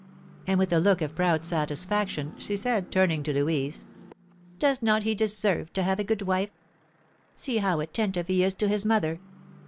And, with a look of proud satisfaction, she said, turning to Louise, "Does not he deserve to have a good wife? See how attentive he is to his mother!